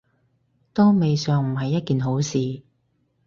都未嘗唔係一件好事